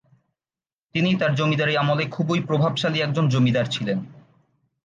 তিনি তার জমিদারী আমলে খুবই প্রভাবশালী একজন জমিদার ছিলেন।